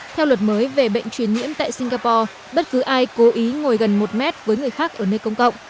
theo luật mới về bệnh truyền nhiễm tại singapore bất cứ ai cố ý ngồi gần một mét với người khác ở nơi công cộng